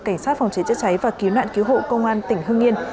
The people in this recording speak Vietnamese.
cảnh sát phòng chế chất cháy và cứu nạn cứu hộ công an tỉnh hưng yên